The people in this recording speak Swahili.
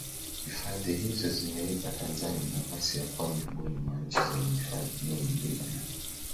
hifadhi hizo zimeipa tanzania nafasi ya kuwa miongoni mwa nchi zenye hifadhi nyingi duniani